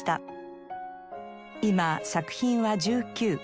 今作品は１９。